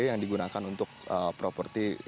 yang digunakan untuk properti